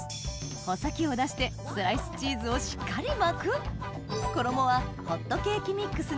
穂先を出してスライスチーズをしっかり巻く衣はだけで簡単に！